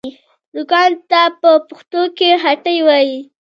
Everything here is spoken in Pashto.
دوکان ته په پښتو کې هټۍ وايي